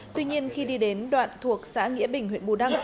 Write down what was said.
tuy nhiên khi đi đến đoạn thuộc xã nghĩa bình huyện bù đăng